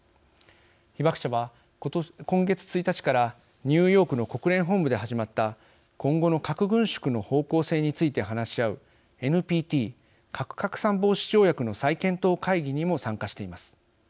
被爆者は今月１日からニューヨークの国連本部で始まった今後の核軍縮の方向性について話し合うＮＰＴ＝核拡散防止条約の再検討会議にも参加しています。